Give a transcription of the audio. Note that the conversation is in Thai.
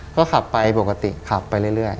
ก็ขับไปปกติขับไปเรื่อย